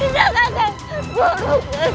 tidak ada guru